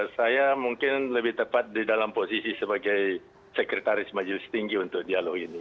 saya mungkin lebih tepat di dalam posisi sebagai sekretaris majelis tinggi untuk dialog ini